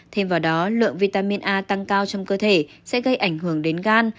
thêm vào đó lượng vitamin a tăng cao trong cơ thể sẽ gây ảnh hưởng đến gan